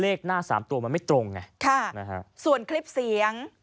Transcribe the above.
เลขหน้าสามตัวมันไม่ตรงไงค่ะนะฮะส่วนคลิปเสียง